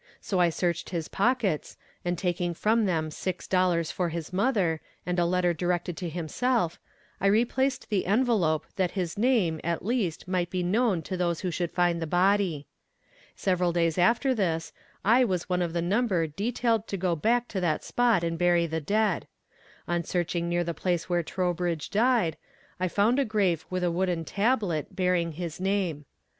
So I searched his pockets, and taking from them six dollars for his mother, and a letter directed to himself, I replaced the envelope, that his name, at least, might be known to those who should find the body. Several days after this, I was one of the number detailed to go back to that spot and bury the dead. On searching near the place where Trowbridge died, I found a grave with a wooden tablet, bearing his name.